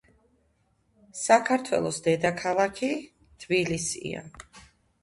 საქართველოს დედაქალაქი ,თბილისია